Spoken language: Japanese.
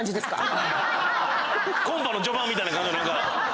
コンパの序盤みたいな。